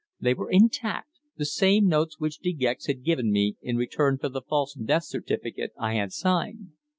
They were intact the same notes which De Gex has given me in return for the false death certificate I had signed.